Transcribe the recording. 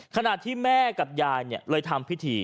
ขณะที่แม่กับยายเลยทำพิธี